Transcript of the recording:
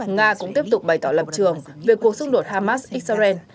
nga cũng tiếp tục bày tỏ lập trường về cuộc xung đột hamas israel